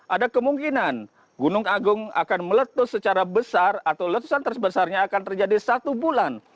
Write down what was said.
ada kemungkinan gunung agung akan meletus secara besar atau letusan terbesarnya akan terjadi satu bulan